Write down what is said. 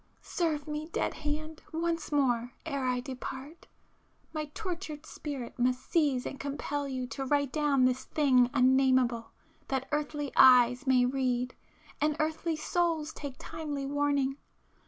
····· Serve me, dead hand, once more ere I depart, ... my tortured spirit must seize and compel you to write down this thing unnameable, that earthly eyes may read, and earthly souls take timely warning!